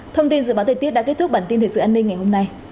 thông tin dự báo thời tiết đã kết thúc bản tin thời sự an ninh ngày hôm nay